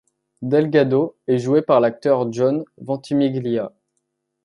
Delgado est joué par l'acteur John Ventimiglia.